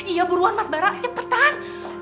iya buruan mas barak cepetan